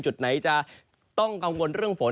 จุดไหนจะต้องกังวลเรื่องฝน